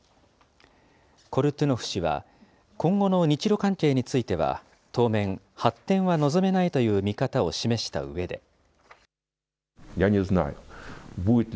コルトゥノフ氏は、今後の日ロ関係については当面、発展は望めないという見方を示したうえで。